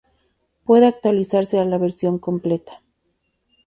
Puede actualizarse a la versión completa.